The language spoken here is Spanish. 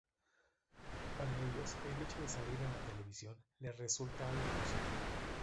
Para ellos, el hecho de salir en la televisión les resulta algo positivo.